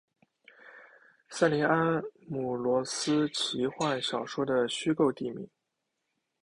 塞林安姆罗斯奇幻小说的虚构地名。